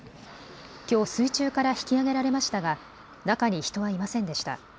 きょう水中から引き揚げられましたが中に人はいませんでした。